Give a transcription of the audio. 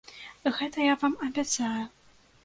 Гэта я вам абяцаю.